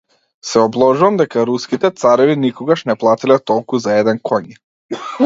Се обложувам дека Руските цареви никогаш не платиле толку за еден коњ.